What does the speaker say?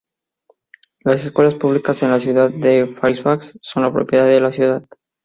Las escuelas públicas en la ciudad de Fairfax son la propiedad de la ciudad.